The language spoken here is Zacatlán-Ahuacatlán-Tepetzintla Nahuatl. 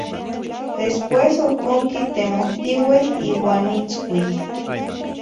Después ohcon quitemohtiueh iuah nitzcuih.